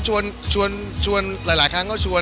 ก็คิดบุตติเค้าช่วนอะไรหลายครั้งก็ช่วง